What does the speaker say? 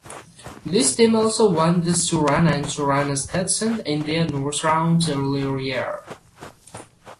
This team also won the Surana and Surana Stetson India North Rounds earlier year.